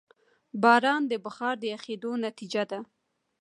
باران د بخار د یخېدو نتیجه ده.